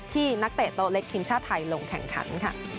ที่นักเตะโตเล็กคิมชาไทยลงแข่งขัน